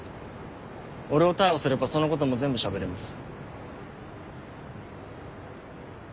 俺を逮捕すればそのことも全部しゃべります。